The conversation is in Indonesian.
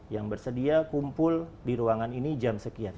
yang bersedia kumpul di ruangan ini jam sekian